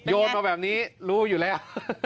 โยนมาแบบนี้รู้อยู่แล้ว